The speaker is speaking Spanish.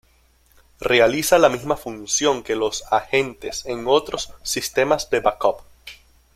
Realiza la misma función que los "agentes" en otros sistemas de backup.